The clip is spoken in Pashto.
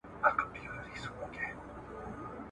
که ماسومان خپله ژبه وکاروي د ګډون ويره ولې نه پاته کيږي؟